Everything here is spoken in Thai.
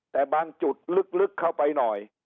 แต่บางจุดลึกเข้าไปหน่อย